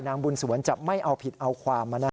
น้ำบุญสวนจะไม่เอาผิดเอาความมาหน้า